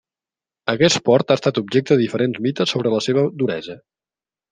Aquest port ha estat objecte de diferents mites sobre la seva duresa.